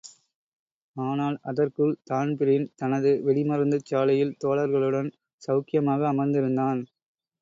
ஆனால், அதற்குள் தான்பிரீன் தனது வெடிமருந்துச் சாலையில் தோழர்களுடன் செளக்கியமாக அமர்திருந்தான்.